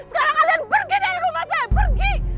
sekarang kalian pergi dari rumah saya pergi